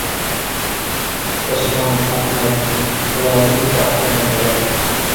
توسماڭ ئاتىلار بىزنى، بولارمىز گاھ يامانغا يار.